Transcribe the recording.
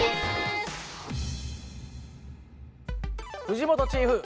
藤本チーフ